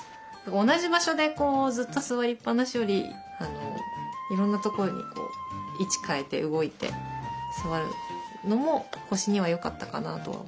同じ場所でずっと座りっぱなしよりいろんな所に位置変えて動いて座るのも腰にはよかったかなとは思います。